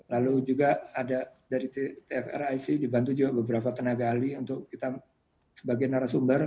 lalu juga ada dari tfric dibantu juga beberapa tenaga ahli untuk kita sebagai narasumber